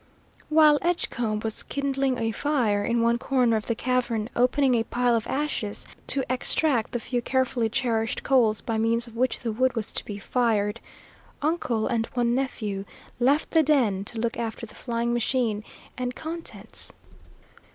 While Edgecombe was kindling a fire in one corner of the cavern, opening a pile of ashes to extract the few carefully cherished coals by means of which the wood was to be fired, uncle and one nephew left the den to look after the flying machine and contents.